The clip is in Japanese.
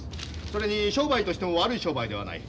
それに商売としても悪い商売ではない。